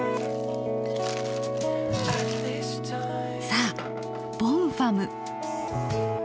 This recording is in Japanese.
さあボンファム。